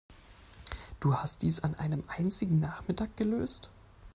Du hast dies an einem einzigen Nachmittag gelöst?